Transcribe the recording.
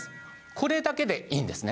これだけでいいんですね。